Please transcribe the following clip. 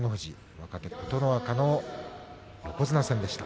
若手、琴ノ若の横綱戦でした。